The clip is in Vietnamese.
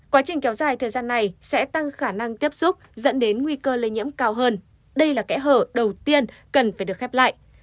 quá trình kéo dài thời gian này sẽ tăng khả năng tiếp xúc dẫn đến nguy cơ lây nhiễm cao hơn đây là kẽ hở đầu tiên cần phải được khép lại